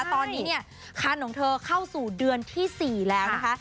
ตอนนี้เนี่ยคันของเธอเข้าสู่เดือนที่๔แล้วนะคะ